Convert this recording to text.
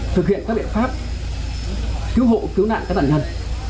thực hiện các biện pháp cứu hộ cứu nạn các nạn nhân